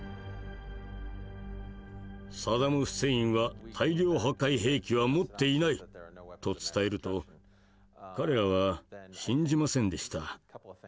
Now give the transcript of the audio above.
「サダム・フセインは大量破壊兵器は持っていない」と伝えると彼らは信じませんでした。